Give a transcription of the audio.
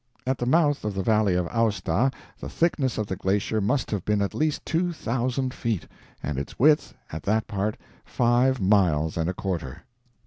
At the mouth of the Valley of Aosta, the thickness of the glacier must have been at least TWO THOUSAND feet, and its width, at that part, FIVE MILES AND A QUARTER."